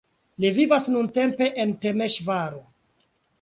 Li vivas nuntempe en Temeŝvaro.